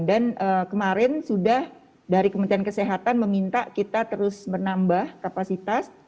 dan kemarin sudah dari kementerian kesehatan meminta kita terus menambah kapasitas